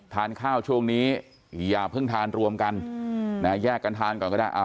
ทานข้าวช่วงนี้อย่าเพิ่งทานรวมกันแยกกันทานก่อนก็ได้